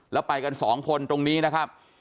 แล้วไปกันสองคนตรงนี้นะครับ